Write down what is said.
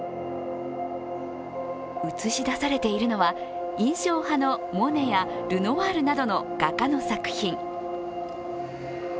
映し出されているのは印象派のモネやルノワールなどの画家の作品。